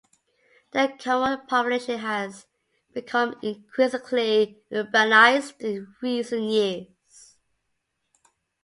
The Comorian population has become increasingly urbanized in recent years.